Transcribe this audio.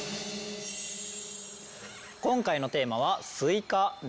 今回のテーマはスイカです。